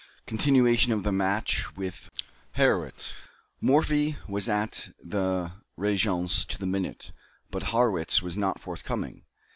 CONTINUATION OF THE MATCH WITH HARRWITZ. Morphy was at the Régence to the minute, but Harrwitz was not forthcoming.